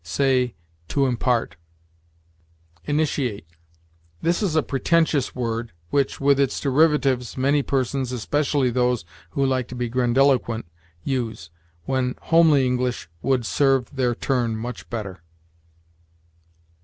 Say, to impart. INITIATE. This is a pretentious word, which, with its derivatives, many persons especially those who like to be grandiloquent use, when homely English would serve their turn much better.